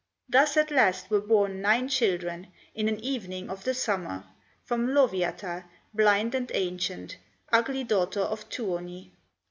Thus at last were born nine children, In an evening of the summer, From Lowyatar, blind and ancient, Ugly daughter of Tuoni.